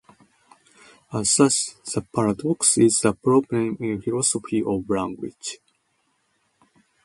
As such, the paradox is a problem in philosophy of language.